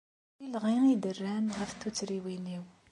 S yilɣi i d-rran ɣef tuttriwin-iw.